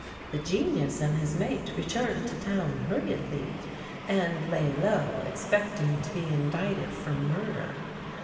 The Genius and his mate returned to town hurriedly, and lay low, expecting to be indicted for murder.